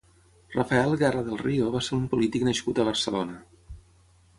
Rafael Guerra del Río va ser un polític nascut a Barcelona.